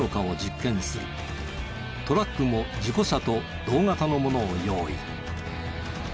トラックも事故車と同型のものを用意。